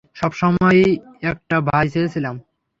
সবসময়ই একটা ভাই চেয়েছিলাম।